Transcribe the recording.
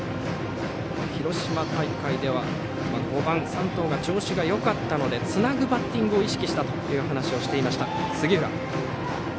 広島大会では５番、山藤が調子がよかったのでつなぐバッティングを意識したと話していた杉浦。